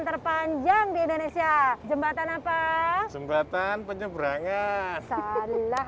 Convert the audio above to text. terpanjang di indonesia jembatan apa jembatan penyebrangan jumpuh